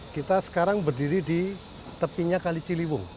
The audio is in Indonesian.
kita sekarang berdiri di tepinya kali ciliwung